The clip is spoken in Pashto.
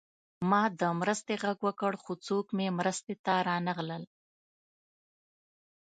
ما د مرستې غږ وکړ خو څوک مې مرستې ته رانغلل